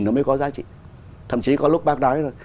nó mới có giá trị thậm chí có lúc bác nói là